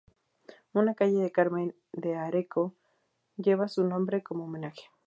Una calle de Carmen de Areco lleva su nombre como homenaje.